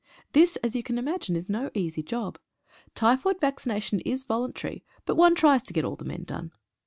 This, as you can imagine, is no easy job. Typhoid vaccination is voluntary, but one tries to get all the men done.